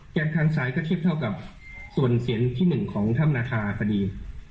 ข้างซ้ายก็เทียบเท่ากับส่วนเสียงที่๑ของถ้ำนาคาพอดี